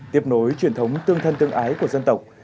tiếp nối truyền thống tương thân tương ái của dân tộc